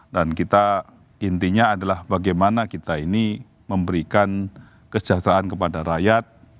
dan kita intinya adalah bagaimana kita ini memberikan kesejahteraan kepada rakyat